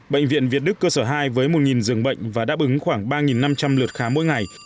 bệnh viện việt đức cơ sở hai với một giường bệnh và đáp ứng khoảng ba năm trăm linh lượt khám mỗi ngày